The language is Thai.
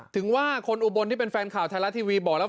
ถึงว่าคนอุบลที่เป็นแฟนข่าวไทยรัฐทีวีบอกแล้ว